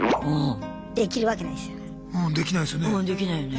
できるわけないですよ。